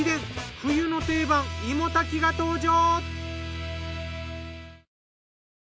冬の定番芋炊きが登場！